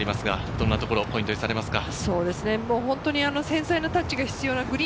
どんなところがポイントにされますか？